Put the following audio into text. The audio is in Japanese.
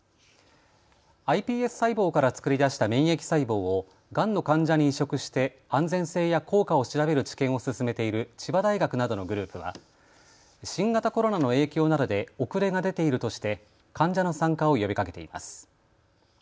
ｉＰＳ細胞から作り出した免疫細胞をがんの患者に移植して安全性や効果を調べる治験を進めている千葉大学などのグループは新型コロナの影響などで遅れが出ているとして患者の参加を呼びかけています。